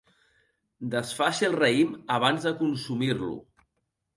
Desfaci el raïm abans de consumir-lo.